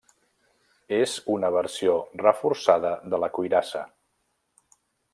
És una versió reforçada de la cuirassa.